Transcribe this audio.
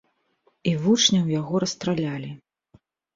І вучняў яго расстралялі.